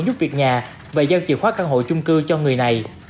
giúp việc nhà và giao chìa khóa căn hộ chung cư cho người này